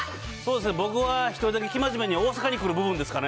僕は１人だけ生真面目に大阪に来る部分ですかね。